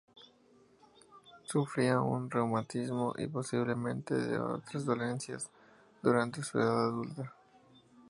Sufría de reumatismo, y posiblemente de otras dolencias, durante su edad adulta.